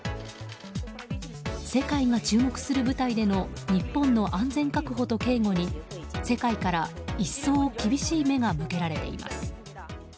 世界が注目する舞台での日本の安全確保と警護に世界から一層厳しい目が向けられています。